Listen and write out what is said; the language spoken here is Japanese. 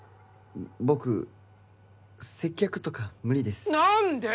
僕接客とか無理です何で？